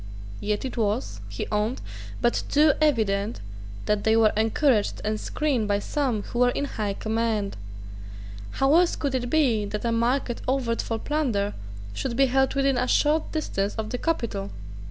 Yet it was, he owned, but too evident that they were encouraged and screened by some who were in high command. How else could it be that a market overt for plunder should be held within a short distance of the capital?